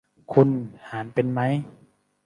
คุณหารเป็นมั้ย